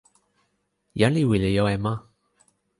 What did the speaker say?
jan li wile jo e ma.